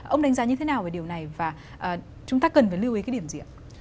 ông đánh giá như thế nào về điều này và chúng ta cần phải lưu ý cái điểm gì ạ